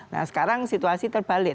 nah sekarang situasi terbalik